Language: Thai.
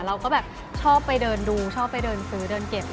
เราก็แบบชอบไปเดินดูชอบไปเดินซื้อเดินเก็บ